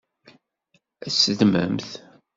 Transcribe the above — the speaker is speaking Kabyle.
Ad t-teddmemt?